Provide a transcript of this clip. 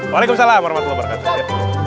waalaikumsalam warahmatullahi wabarakatuh